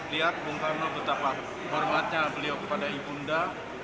lihat bung karno betapa hormatnya beliau kepada ibunda